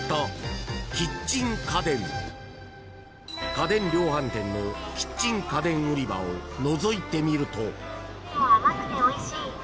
［家電量販店のキッチン家電売り場をのぞいてみると］